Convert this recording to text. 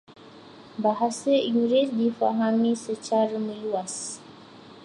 Bahasa Inggeris difahami secara meluas.